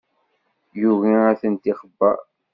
Yugi ad tent-ixebber.